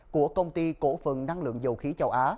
của công ty cổ phần năng lượng dầu khí châu á